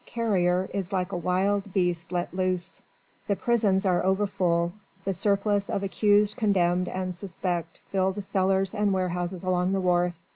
Carrier is like a wild beast let loose. The prisons are over full: the surplus of accused, condemned and suspect fills the cellars and warehouses along the wharf.